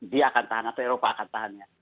dia akan tahan atau eropa akan tahannya